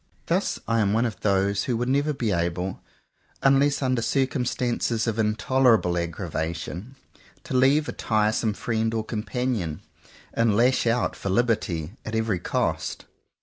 Thus I am one of those who would never be able, unless under circumstances of in tolerable aggravation, to leave a tiresome friend or companion, and lash out for liberty at every cost.